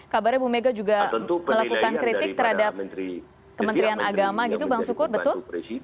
kabarnya bu mega juga melakukan kritik terhadap kementerian agama gitu bang sukur betul